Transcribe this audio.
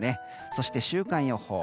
そして、週間予報。